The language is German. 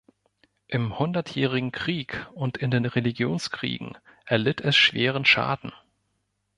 Im Hundertjährigen Krieg und in den Religionskriegen erlitt es schweren Schaden.